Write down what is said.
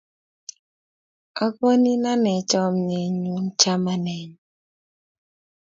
Akonin ane chamnyenyu chamanenyu